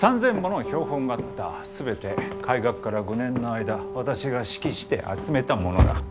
全て開学から５年の間私が指揮して集めたものだ。